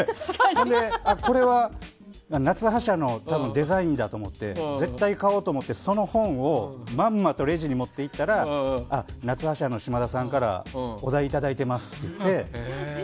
これは夏葉社のデザインだと思って絶対買おうと思って、その本をまんまとレジに持っていったらあ、夏葉社の島田さんからお代いただいてますって言って。